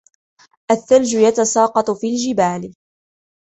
الثلج يتساقط في الجبال.